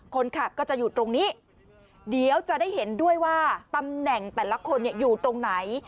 คนขับก็จะอยู่ตรงนี้เดี๋ยวจะได้เห็นด้วยว่าตำแหน่งแต่ละคนอยู่ตรงไหน